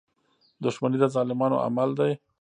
• دښمني د ظالمانو عمل دی.